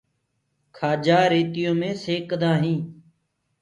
کآجآ ريتيو مي سيڪدآ هينٚ۔